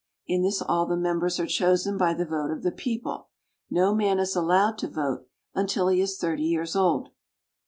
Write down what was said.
In this all the members are chosen by the vote of the people ; no man is allowed to vote until he is thirty years old.